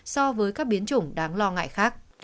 so với các biến chủng đáng lo ngại khác